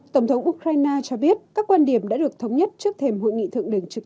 tổng thống ukraine cho biết các quan điểm đã được thống nhất trước thềm hội nghị thượng đỉnh trực